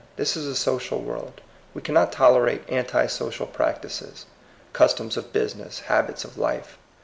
This is a social world. We can not tolerate antinsocial practices, customs of business, habits of life.